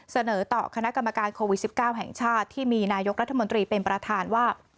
เสนอต่อคณะกรรมการโควิด๑๙แห่งชาติที่มีนายกรัฐมนตรีเป็นประธานว่า